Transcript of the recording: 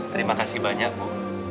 terima kasih banyak bu